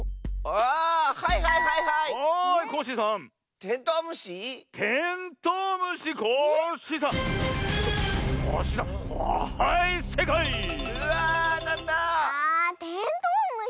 あテントウムシかあ。